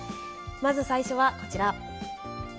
まず最初はこちら。